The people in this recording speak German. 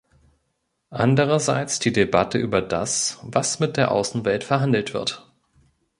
Andererseits die Debatte über das, was mit der Außenwelt verhandelt wird.